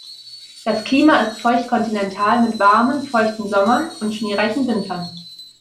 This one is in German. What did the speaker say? Das Klima ist feucht-kontinental mit warmen, feuchten Sommern und schneereichen Wintern.